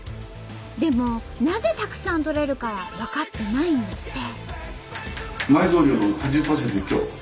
でもなぜたくさん採れるかは分かってないんだって。